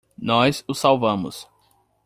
Nós o salvamos!